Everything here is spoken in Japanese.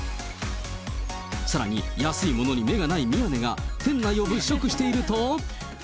さらに、安いものに目がない宮根が、店内を物色していると。